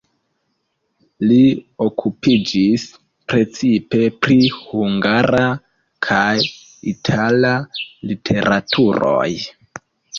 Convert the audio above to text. Li okupiĝis precipe pri hungara kaj itala literaturoj.